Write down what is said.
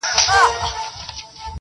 خوله ئې د سوى، شخوند ئې د اوښ.